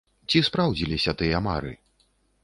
Ці спраўдзіліся тыя мары?